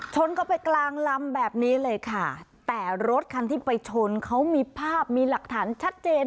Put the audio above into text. ชนเข้าไปกลางลำแบบนี้เลยค่ะแต่รถคันที่ไปชนเขามีภาพมีหลักฐานชัดเจน